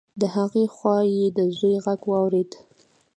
د هغې خوا يې د زوی غږ واورېد.